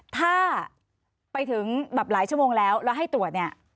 ถ้าไปถึงแบบหลายชั่วโมงแล้วแล้วให้ตรวจเนี่ย